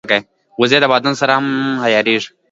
وزې د بادونو سره هم عیارېږي